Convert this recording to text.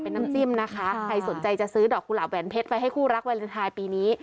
เป็นน้ำจิ้มนะคะใครสนใจจะซื้อดอกกุหลาบแหวนเพชรไปให้คู่รักวาเลนไทยปีนี้